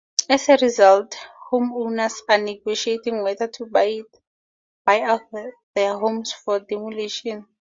As a result, homeowners are negotiating whether to buy out their homes for demolition.